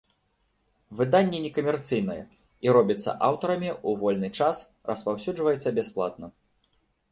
Выданне некамерцыйнае, і робіцца аўтарамі ў вольны час, распаўсюджваецца бясплатна.